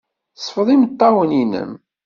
Sfeḍ imeṭṭawen-nnem.